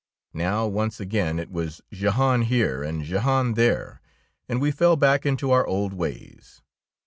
Now once again it was Jehan here " and "Jehan there," and we fell back into our old ways.